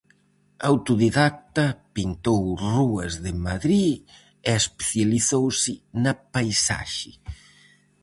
Autodidacta, pintou rúas de Madrid e especializouse na paisaxe.